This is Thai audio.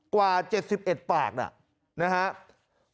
กว่า๗๑ปากนะครับ